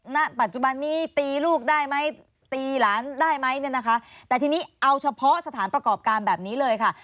ณปัจจุบันนี้ตีลูกได้ไหมตีหลานได้ไหมเนี่ยนะคะแต่ทีนี้เอาเฉพาะสถานประกอบการแบบนี้เลยค่ะ